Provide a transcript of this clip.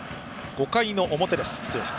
５回の表です。